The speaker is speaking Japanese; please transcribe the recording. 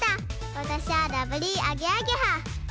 わたしはラブリーアゲアゲハ。